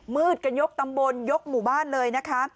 มืดกันยกตำบลยกหมู่บ้านเลยนะคะ